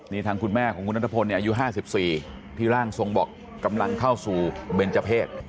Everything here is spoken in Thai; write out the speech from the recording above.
นี่ทางคุณแม่ของคุณนัทพลอายุ๕๔ที่ร่างทรงบอกกำลังเข้าสู่เบนเจอร์เพศ